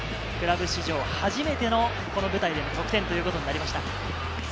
クラブ史上初めての、この舞台での得点ということになりました。